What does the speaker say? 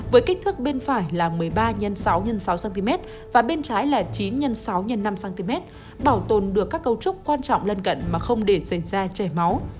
với kích thước bên phải là một mươi ba x sáu x sáu cm và bên trái là chín x sáu x năm cm bảo tồn được các cấu trúc quan trọng lân cận mà không để xảy ra chảy máu